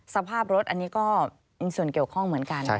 สภาพรถอันนี้ก็มีส่วนเกี่ยวข้องเหมือนกัน